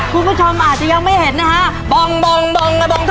คุณผู้ชมอาจจะยังไม่เห็นนะฮะ